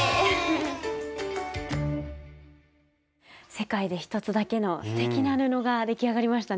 世界で一つだけのすてきな布が出来上がりましたね。